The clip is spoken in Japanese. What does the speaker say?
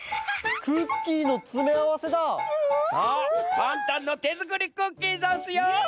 パンタンのてづくりクッキーざんすよ。